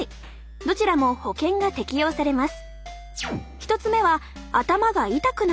どちらも保険が適用されます。